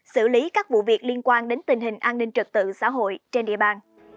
xử lý các vụ việc liên quan đến tình hình an ninh trật tự xã hội trên địa bàn